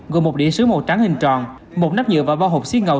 gồm một đĩa sứ màu trắng hình tròn một nắp nhựa và bao hộp xiên ngầu